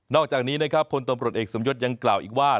อกจากนี้นะครับพลตำรวจเอกสมยศยังกล่าวอีกว่า